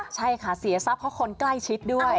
ใช่ค่ะเสียทรัพย์เพราะคนใกล้ชิดด้วย